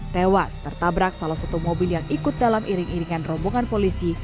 tewas tertabrak salah satu mobil yang ikut dalam iring iringan rombongan polisi